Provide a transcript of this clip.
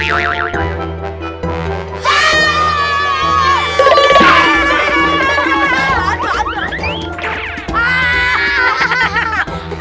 aduh aduh aduh